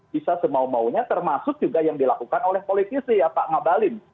bisa semau maunya termasuk juga yang dilakukan oleh politisi ya pak ngabalin